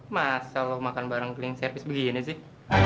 masa lo makan bareng cleaning service begini sih